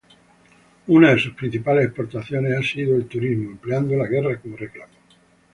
Una de sus principales exportaciones ha sido el turismo, empleando la guerra como reclamo.